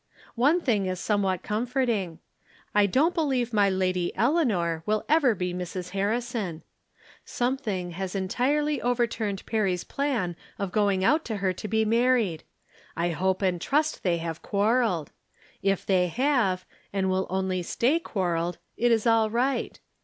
One thing is somewhat comforting. I don't be lieve my Lady Eleanor will ever be Mrs. Har rison, Something has entirely overturned Perry's plan of going out to her to be married. I hope and trust they have quarreled. If they have, and will only stay quarreled, it is all right.